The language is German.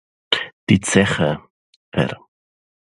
Die Zeche "Ver.